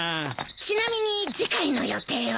ちなみに次回の予定は？